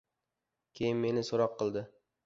Keyin, meni so‘roq qildi.